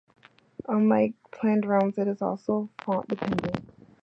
Unlike palindromes, it is also font dependent.